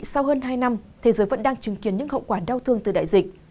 sau hơn hai năm thế giới vẫn đang chứng kiến những hậu quả đau thương từ đại dịch